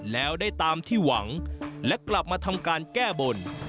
แล้วได้ตามที่หวังและกลับมาทำการแก้บน